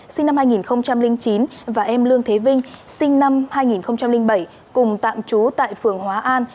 sinh năm hai nghìn chín và em lương thế vinh sinh năm hai nghìn bảy cùng tạm trú tại phường hóa an